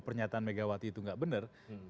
pernyataan megawati itu nggak benar